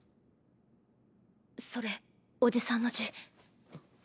それおじさんの字。